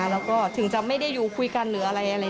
แล้วก็ถึงจะไม่ได้อยู่คุยกันหรืออะไร